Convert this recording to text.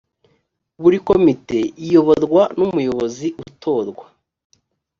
buri komite iyoborwa n’umuyobozi utorwa